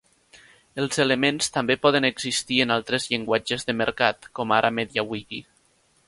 Els elements també poden existir en altres llenguatges de mercat, com ara MediaWiki.